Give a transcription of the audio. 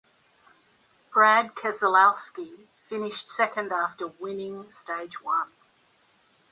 Brad Keselowski finished second after winning stage one.